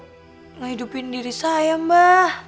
menghidupin diri saya mbak